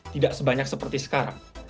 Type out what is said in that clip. tidak sebanyak seperti sekarang